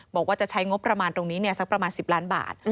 บอกว่าจะใช้งบประมาณตรงนี้สักประมาณ๑๐ล้านบาท